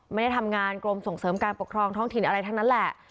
ไม่ได้ทำงานกรมส่งเสริมการปกครองท้องถิ่นอะไรทั้งนั้นแหละ